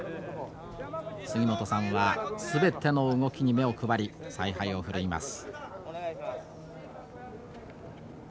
杉本さんは全ての動きに目を配り采配を振るいます。